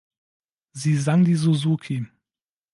Sie sang die Suzuki.